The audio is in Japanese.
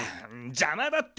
じゃまだって！